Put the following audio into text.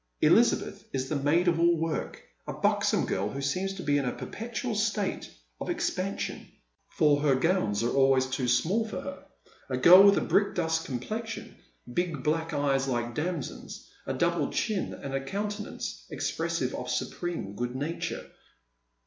Elizabeth is the maid of all work, a buxom girl who seems to be in a perpetual state of expansion, for her gowns are always too small for her, a girl with a brickdust complexion, big black eyes like damsons, a double chin, and a countenance expressive of supreme good nature.